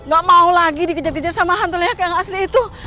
gak mau lagi dikejar kejar sama hantu leak yang asli itu